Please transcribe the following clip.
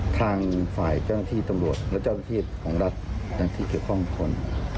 ทางฝ่ายเจ้าหน้าที่ตำรวจและเจ้าหน้าที่ของรัฐที่เกี่ยวข้องทุกคน